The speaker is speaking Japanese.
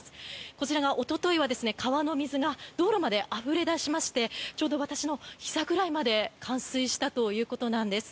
こちら、おとといは川の水が道路まであふれ出しましてちょうど私のひざぐらいまで冠水したということなんです。